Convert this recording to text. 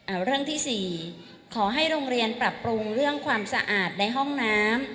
เอาเรื่องที่สี่ขอให้โรงเรียนปรับปรุงเรื่องความสะอาดในห้องน้ำ